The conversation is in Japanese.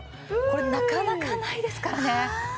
これなかなかないですからね。